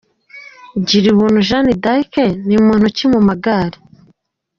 Girubuntu Jeanne d’Arc ni muntu ki mu magare?.